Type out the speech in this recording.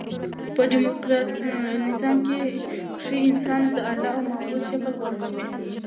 په ډیموکراټ نظام کښي انسان د اله او معبود شکل غوره کوي.